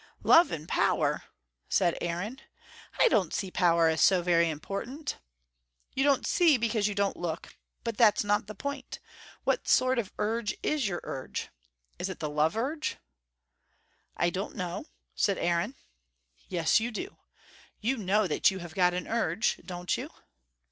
"Love and power?" said Aaron. "I don't see power as so very important." "You don't see because you don't look. But that's not the point. What sort of urge is your urge? Is it the love urge?" "I don't know," said Aaron. "Yes, you do. You know that you have got an urge, don't you?"